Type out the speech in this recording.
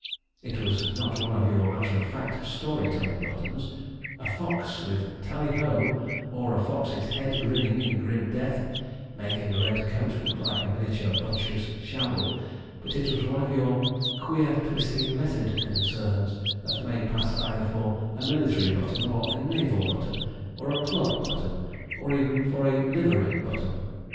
It was not one of your matter of fact story telling buttons a fox with 'TALLY HO,' or a fox's head grinning in grim death making a red coat look like a miniature butcher's shamble, but it was one of your queer twisting lettered concerns, that may pass either for a military button or a naval button, or a club button, or even for a livery button.